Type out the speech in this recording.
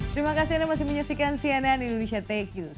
terima kasih anda masih menyaksikan cnn indonesia tech news